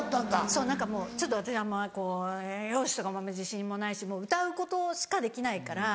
そう何かもうちょっと私容姿とかも自信もないしもう歌うことしかできないから。